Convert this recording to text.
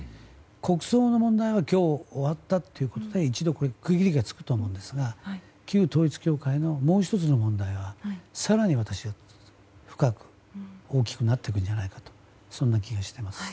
国葬の問題は今日終わったということで一度区切りがつくと思うんですが旧統一教会のもう１つの問題が更に私は、深く大きくなっていくんじゃないかとそんな気がしています。